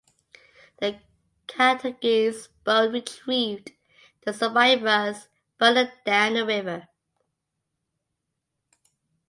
A Katangese boat retrieved the survivors further down the river.